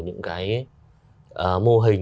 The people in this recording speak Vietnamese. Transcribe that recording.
những cái mô hình